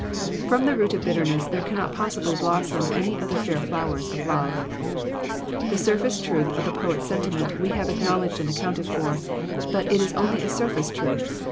From the root of bitterness there cannot possibly blossom any of the fair flowers of love. The surface truth of the poets' sentiment we have acknowl edged and accounted for, but it is only a surface truth.